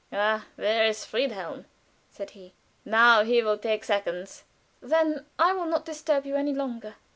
"Ah, there is Friedhelm," said he, "now he will take seconds." "Then I will not disturb you any longer."